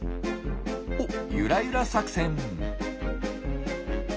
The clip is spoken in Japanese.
おっゆらゆら作戦。